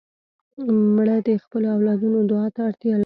مړه د خپلو اولادونو دعا ته اړتیا لري